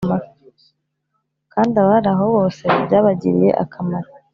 kandi abari aho bose byabagiriye akamaro